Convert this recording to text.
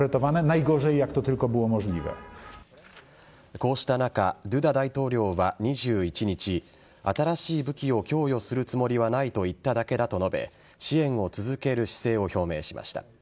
こうした中ドゥダ大統領は２１日新しい武器を供与するつもりはないと言っただけだと述べ支援を続ける姿勢を表明しました。